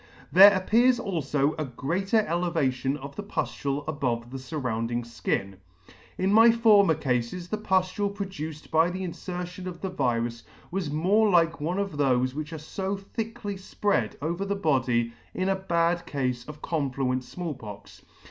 There appears alfo a greater elevation of the puflule above the furrounding (kin. In my former cafes, the puftule produced by the infertion of the virus was more like one of thofe which are fo thickly fpread over the body in a bad kind of confluent Small Pox.